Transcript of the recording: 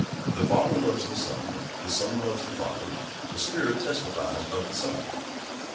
The Father loves the Son, the Son loves the Father, the Spirit testifies of the Son.